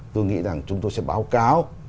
tôi nghĩ rằng chúng tôi sẽ báo cáo